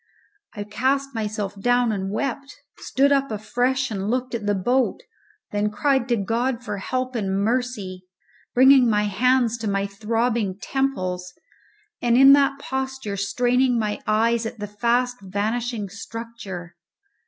I cast myself down and wept, stood up afresh and looked at the boat, then cried to God for help and mercy, bringing my hands to my throbbing temples, and in that posture straining my eyes at the fast vanishing structure.